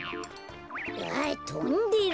あっとんでる。